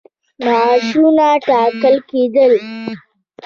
معاشونه ټاکل کېدل.